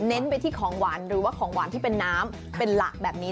ไปที่ของหวานหรือว่าของหวานที่เป็นน้ำเป็นหลักแบบนี้